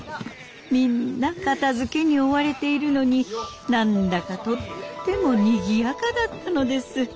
みんな片づけに追われているのに何だかとってもにぎやかだったのです。